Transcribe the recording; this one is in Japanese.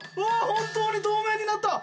本当に透明になった！